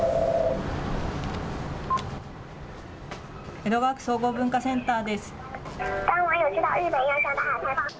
江戸川区総合文化センターです。